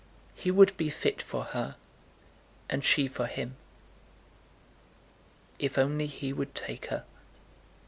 He would be fit for her, and she for him, if only he would take her.